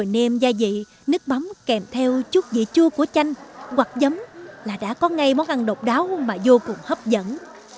rồi nêm gia vị nước bấm kèm theo chút vị chua của chanh hoặc giấm là đã có ngay món ăn độc đáo mà vô cùng hấp dẫn